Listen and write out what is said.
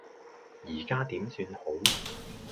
而家點算好